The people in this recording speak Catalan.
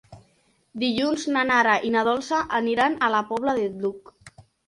Dilluns na Nara i na Dolça aniran a la Pobla del Duc.